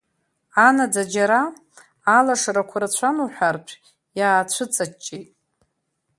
Анаӡара џьара, алашарақәа рацәан уҳәартә, иаацәыҵаҷҷеит.